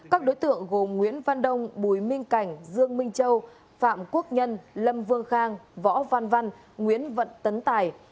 các đối tượng gồm nguyễn văn đông bùi minh cảnh dương minh châu phạm quốc nhân lâm vương khang võ văn văn nguyễn vận tấn tài